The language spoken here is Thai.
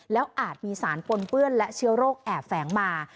แล้วอาจมีสารปนเปื้อนและเชื้อโรคแอบแฝงมา